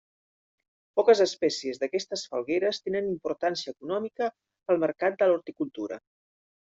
Poques espècies d'aquestes falgueres tenen importància econòmica al mercat de l'horticultura.